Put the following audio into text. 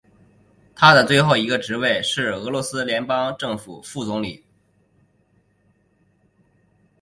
他的最后一个职位是俄罗斯联邦政府副总理。